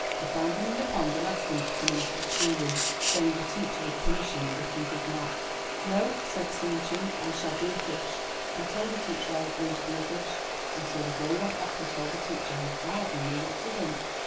He found him in the pond and asked him to come into the schoolroom, saying the teacher would punish him if he did not. 391 MY BOOK HOUSE ''No/' said Tsing Ching, ''I shall be a fish; I told the teacher I was going to be a fish." And so the boy went back and told the teacher, who hardly knew what to think.